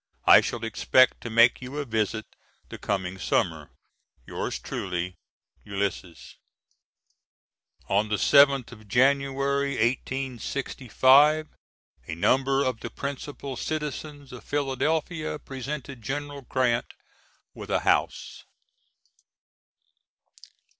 I shall expect to make you a visit the coming summer. Yours truly, ULYSSES. [On the 7th of January, 1865, a number of the principal citizens of Philadelphia presented General Grant with a house.